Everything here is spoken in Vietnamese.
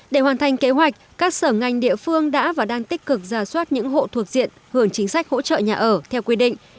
để hoàn thành kế hoạch các sở ngành địa phương đã và đang tích cực ra soát những hộ thuộc diện hưởng chính sách hỗ trợ nhà ở theo quy định